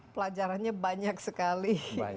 pelajarannya banyak sekali